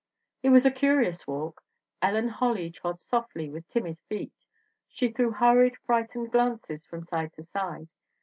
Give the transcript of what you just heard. "It was a curious walk. Ellen Holly trod softly with timid feet. She threw hurried, frightened glances from side to side.